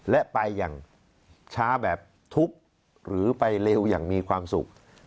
และไปอย่างช้าแบบทุบหรือไปเร็วอย่างมีความสุข